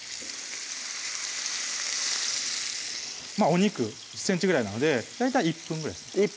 お肉１ｃｍぐらいなので大体１分ぐらいです